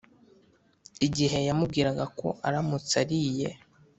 igihe yamubwiraga ko aramutse ariye